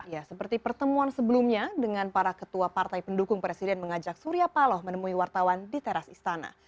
ya seperti pertemuan sebelumnya dengan para ketua partai pendukung presiden mengajak surya paloh menemui wartawan di teras istana